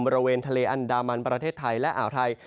บริเวณทะเลอันดามันประเทศไทยและอ่าวไทย